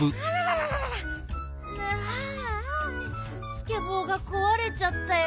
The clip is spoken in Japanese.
スケボーがこわれちゃったよ。